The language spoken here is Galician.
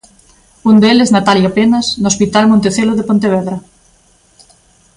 Un deles, Natalia Penas, no hospital Montecelo de Pontevedra.